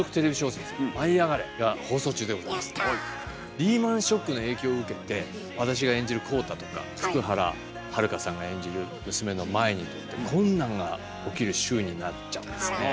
リーマンショックの影響を受けて私が演じる浩太とか福原遥さんが演じる娘の舞にとって困難が起きる週になっちゃうんですね。